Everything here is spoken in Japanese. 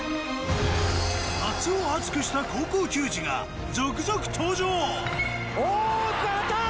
夏を熱くした高校球児が続々登場！